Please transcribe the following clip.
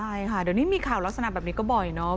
ใช่ค่ะเดี๋ยวนี้มีข่าวลักษณะแบบนี้ก็บ่อยเนาะ